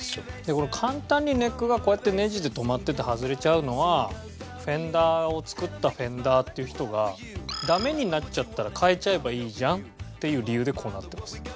これ簡単にネックがこうやってネジで留まってて外れちゃうのはフェンダーを作ったフェンダーっていう人がダメになっちゃったら変えちゃえばいいじゃんっていう理由でこうなってます。